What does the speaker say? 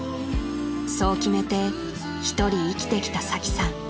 ［そう決めてひとり生きてきたサキさん］